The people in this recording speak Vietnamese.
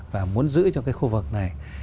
và muốn giữ cho cái khu vực này